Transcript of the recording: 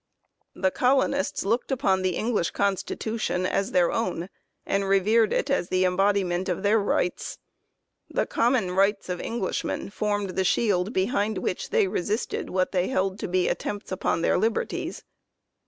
The colonists looked upon the English Constitution as their own and revered it as the embodiment of their rights. The " common rights of Englishmen " formed the shield behind which they resisted what they held to be attempts upon their liberties.